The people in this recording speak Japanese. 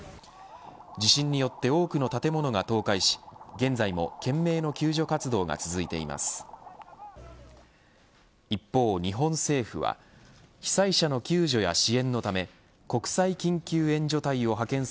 地震によって多くの建物が倒壊し現在も懸命の救助活動が続いています。